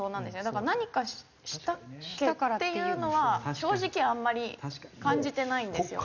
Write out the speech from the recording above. だから何かしたからっていうのは正直あんまり感じてないんですよ。